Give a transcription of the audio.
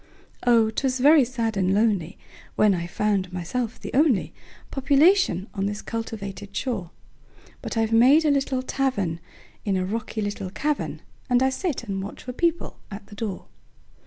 Oh! 'twas very sad and lonelyWhen I found myself the onlyPopulation on this cultivated shore; But I've made a little tavernIn a rocky little cavern, And I sit and watch for people at the door.